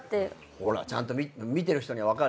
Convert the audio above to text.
ほらちゃんと見てる人には分かる。